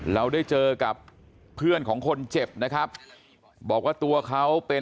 เราได้เจอกับเพื่อนของคนเจ็บนะครับบอกว่าตัวเขาเป็น